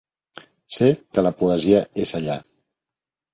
Sé que la poesia és allà.